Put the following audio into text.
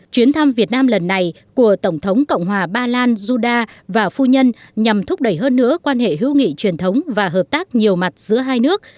chuyến thăm việt nam lần này của tổng thống cộng hòa ba lan suda và phu nhân nhằm thúc đẩy hơn nữa quan hệ hữu nghị truyền thống và hợp tác nhiều mặt giữa hai nước